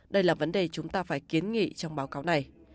đây là vấn đề chúng ta phải kiến nghị trong báo cáo này